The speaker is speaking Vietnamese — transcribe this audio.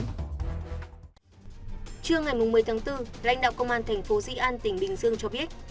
trưa ngày một mươi tháng bốn lãnh đạo công an thành phố di an tỉnh bình dương cho biết